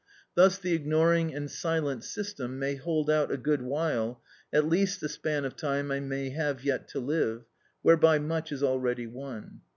Thus the ignoring and silent system may hold out a good while, at least the span of time I may have yet to live, whereby much is already won.